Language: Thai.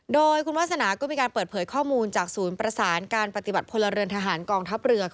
โดยคุณวาสนาก็มีการเปิดเผยข้อมูลจากศูนย์ประสานการปฏิบัติพลเรือนทหารกองทัพเรือ